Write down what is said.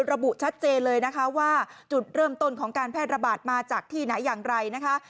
ระบุชัดเจนเลยนะคะว่าจุดเริ่มต้นของการแพร่ระบาดมาจากที่ไหนอย่างไรนะคะ